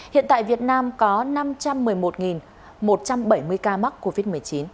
hiện tại việt nam có năm trăm một mươi một một trăm bảy mươi ca mắc covid một mươi chín